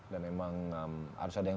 memang harus ada yang